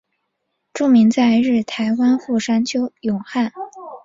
著名在日台湾富商邱永汉当时也在该班机上。